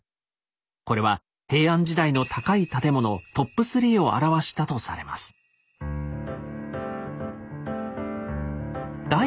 これは平安時代の高い建物トップ３を表したとされます。